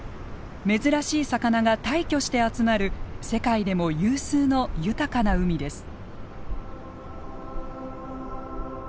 珍しい魚が大挙して集まる世界でも有数の豊かな海です。